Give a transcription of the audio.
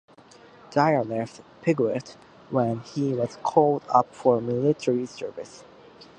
Dior left Piguet when he was called up for military service.